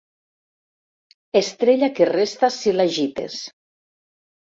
Estrella que resta si l'agites.